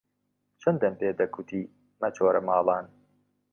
چەندەم پێ دەکوتی مەچۆرە ماڵان